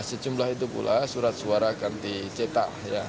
sejumlah itu pula surat suara akan dicetak